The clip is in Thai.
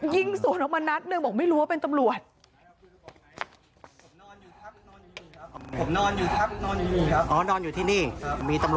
ยิงสวนออกมานัดหนึ่งบอกไม่รู้ว่าเป็นตำรวจ